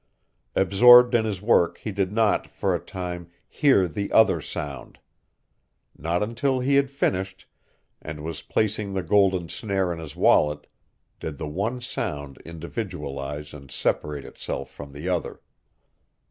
Absorbed in his work he did not, for a time, hear the other sound. Not until he had finished, and was placing the golden snare in his wallet, did the one sound individualize and separate itself from the other.